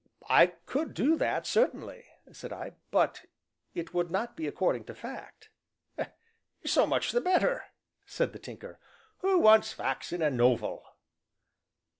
"I could do that, certainly," said I, "but it would not be according to fact." "So much the better," said the Tinker; "who wants facts in a nov el?"